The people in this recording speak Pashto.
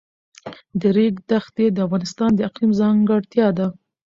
د ریګ دښتې د افغانستان د اقلیم ځانګړتیا ده.